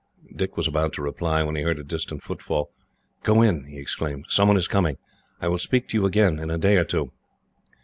Dick was about to reply, when he heard a distant footfall. "Go in," he exclaimed. "Someone is coming. I will speak to you again, in a day or two."